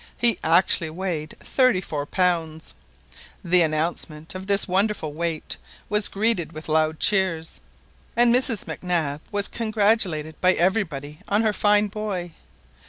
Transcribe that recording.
He actually weighed thirty four pounds! The announcement of this wonderful weight was greeted with loud cheers, and Mrs Mac Nab was congratulated by everybody on her fine boy.